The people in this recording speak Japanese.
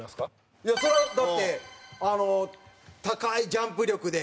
蛍原：それは、だって高いジャンプ力で。